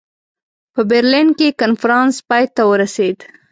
په برلین کې کنفرانس پای ته ورسېد.